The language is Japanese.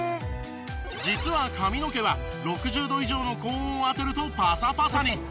実は髪の毛は６０度以上の高温を当てるとパサパサに。